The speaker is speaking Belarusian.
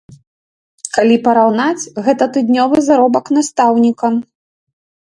Калі параўнаць, гэта тыднёвы заробак настаўніка.